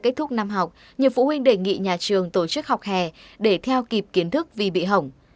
kết thúc năm học nhiều phụ huynh đề nghị nhà trường tổ chức học hè để theo kịp kiến thức vì bị hỏng